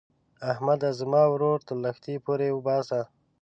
احمده؛ زما ورور تر لښتي پورې باسه.